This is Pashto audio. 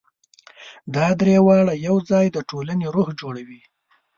دا درې واړه یو ځای د ټولنې روح جوړوي.